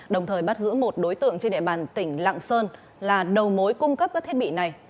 đồng thời bắt giữ một đối tượng trên địa bàn tỉnh lạng sơn là đầu mối cung cấp các thiết bị này